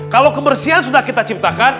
kalau kebersihan sudah kita ciptakan